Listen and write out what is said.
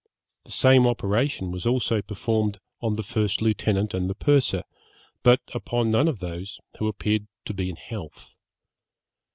The same operation was also performed on the first lieutenant and the purser, but upon none of those who appeared to be in health.